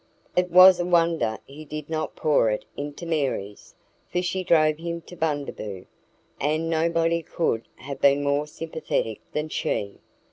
It was a wonder he did not pour it into Mary's, for she drove him to Bundaboo, and nobody could have been more sympathetic than she.